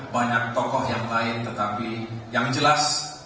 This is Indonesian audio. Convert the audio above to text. banyak tokoh yang lain tetapi yang jelas